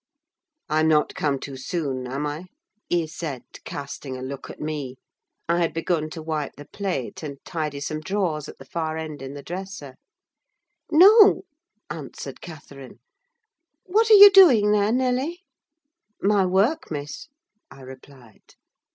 "I'm not come too soon, am I?" he said, casting a look at me: I had begun to wipe the plate, and tidy some drawers at the far end in the dresser. "No," answered Catherine. "What are you doing there, Nelly?" "My work, Miss," I replied.